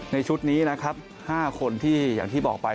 ชุดนี้นะครับ๕คนที่อย่างที่บอกไป